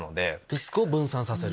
リスクを分散させる。